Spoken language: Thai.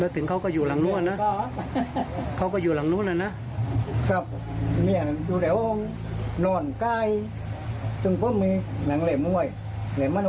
ต้องอยู่กันเกี่ยวกับใครอะครับในบ้าน